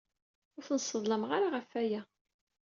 Ur ten-sseḍlameɣ ara ɣef waya.